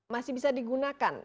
masih bisa digunakan